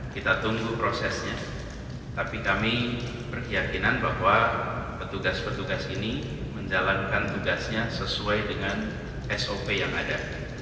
kita tunggu prosesnya tapi kami berkeyakinan bahwa petugas petugas ini menjalankan tugasnya sesuai dengan sop yang ada